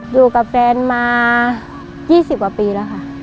อยู่กับแฟนมา๒๐กว่าปีแล้วค่ะ